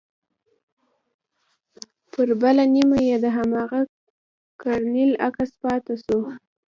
پر بله نيمه يې د هماغه کرنيل عکس پاته سو.